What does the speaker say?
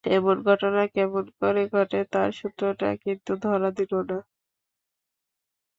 এমন ঘটনা কেমন করে ঘটে, তার সূত্রটা কিন্তু ধরা দিল না।